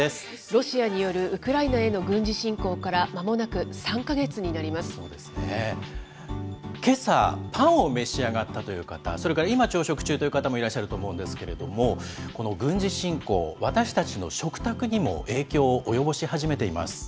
ロシアによるウクライナへの軍事侵攻からまもなく３か月になけさ、パンを召し上がったという方、それから今朝食中という方もいらっしゃると思うんですけども、この軍事侵攻、私たちの食卓にも影響を及ぼし始めています。